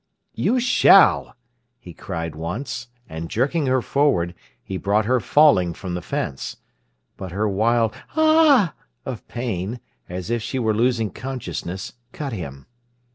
"You shall!" he cried once, and, jerking her forward, he brought her falling from the fence. But her wild "Ah!" of pain, as if she were losing consciousness, cut him.